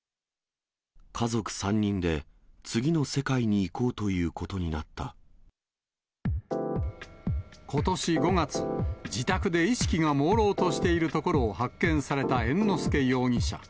家族３人で次の世界に行こうことし５月、自宅で意識がもうろうとしているところを発見された猿之助容疑者。